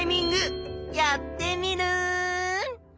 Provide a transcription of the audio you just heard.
やっテミルン！